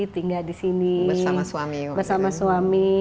tinggal di sini bersama suami